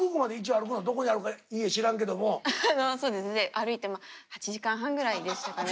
あのそうですね歩いて８時間半ぐらいでしたかね。